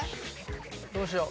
どうしよう。